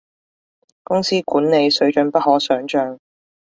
公司管理，水準不可想像